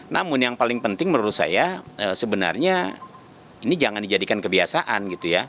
namun yang paling penting menurut saya sebenarnya ini jangan dijadikan kebiasaan gitu ya